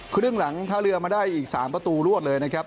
คือครึ่งหลังท่าเรือมาได้อีก๓ประตูรวดเลยนะครับ